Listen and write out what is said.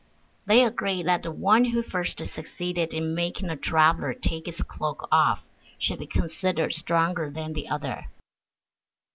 They agreed that the one who first succeeded in making the traveler take his cloak off should be considered stronger than the other.